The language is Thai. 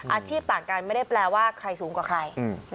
อาชีพต่างกันไม่ได้แปลว่าใครสูงกว่าใคร